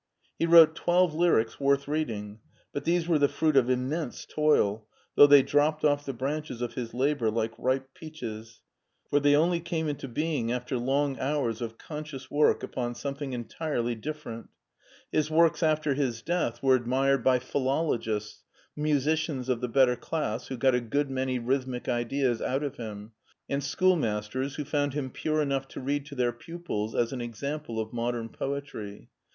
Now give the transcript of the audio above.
He wrote twelve lyrics worth reading, but these were the fruit of im mense toil, though they dropped off the branches of his labor like ripe peaches, for they only came into being after long hours of conscious work upon something entirely different. His works after his death were 28 MARTIN SCHULER admired by philologists, musicians of the better class, who got a good many rhythmic ideas out of him, and schoolmasters, who found him pure enough to read to their pupils as an example of modern poetry.